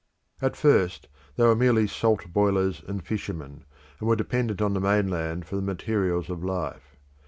At first they were merely salt boilers and fishermen, and were dependent on the mainland for the materials of life.